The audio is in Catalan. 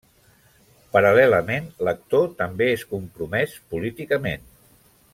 Paral·lelament, l'actor també és compromès políticament.